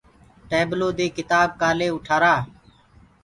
ٽيبلو دي ڪِتآب ڪآلي اُٽآرآ۔